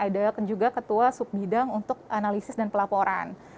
dan ketua sub bidang analisis dan pelaporan